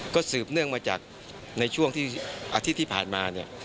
ก็สืบเนื่องมาจากในช่วงที่อาทิตย์ที่ผ่านมาเนี่ย